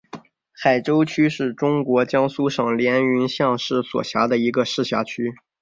海州区是中国江苏省连云港市所辖的一个市辖区。